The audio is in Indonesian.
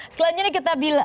selanjutnya kita bilang